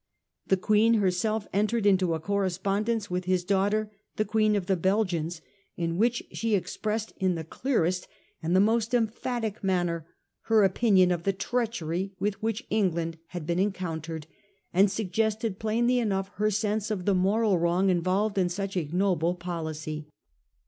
The Queen herself entered into a correspondence with bis daughter, the Queen of the Belgians, in which she expressed in the clearest 1 1 2 436 A HISTORY OF OUR OWN TIMES. ch. xvn. and the most emphatic manner her opinion of the treachery with which England had been encountered, and suggested plainly enough her sense of the moral wrong involved in such ignoble policy.